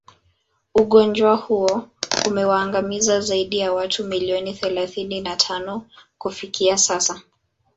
Ugonjwa huo umewaangamiza zaidi ya watu milioni thalathini na tano kufikia sasa